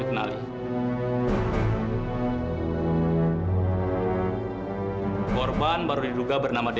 ini bukan mama